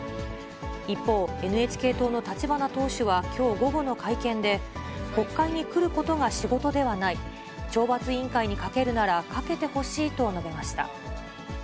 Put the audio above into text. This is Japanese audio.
一方、ＮＨＫ党の立花党首はきょう午後の会見で、国会に来ることが仕事ではない、懲罰委員会にかけるならかけてほしいと述べました。